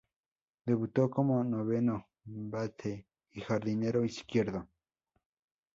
Debutó como noveno bate y jardinero izquierdo.